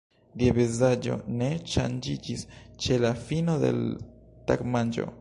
Lia vizaĝo ne ŝanĝiĝis ĉe la fino de l' tagmanĝo.